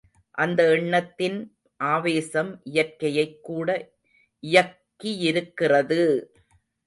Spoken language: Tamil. அந்த எண்ணத்தின் ஆவேசம் இயற்கையைக் கூட இயக்கியிருக்கிறது!